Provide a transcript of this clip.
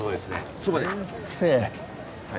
はい。